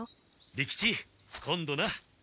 利吉今度な。